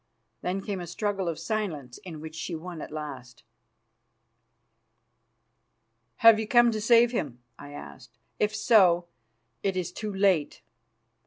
Then came a struggle of silence, in which she won at last. "Have you come to save him?" I asked. "If so, it is too late.